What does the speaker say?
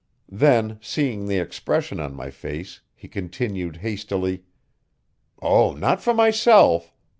Then, seeing the expression on my face, he continued hastily: "Oh, not for myself.